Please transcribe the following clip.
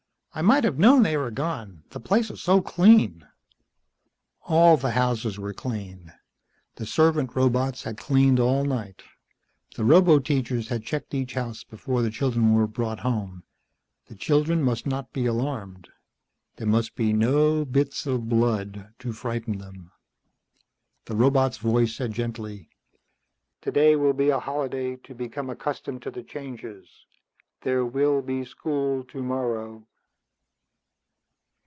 "I might have known they were gone. The place is so clean." All the houses were clean. The servant robots had cleaned all night. The roboteachers had checked each house before the children were brought home. The children must not be alarmed. There must be no bits of blood to frighten them. The robot's voice said gently, "Today will be a holiday to become accustomed to the changes. There will be school tomorrow."